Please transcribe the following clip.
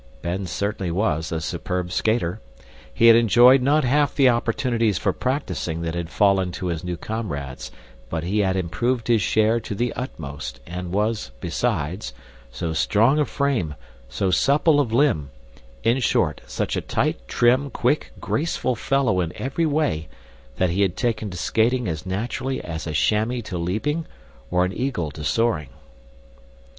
Ben certainly was a superb skater. He had enjoyed not half the opportunities for practicing that had fallen to his new comrades but he had improved his share to the utmost and was, besides, so strong of frame, so supple of limb, in short, such a tight, trim, quick, graceful fellow in every way that he had taken to skating as naturally as a chamois to leaping or an eagle to soaring.